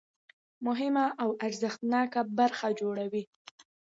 مهمه او ارزښتناکه برخه جوړوي.